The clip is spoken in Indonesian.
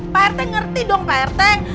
pak erteng ngerti dong pak erteng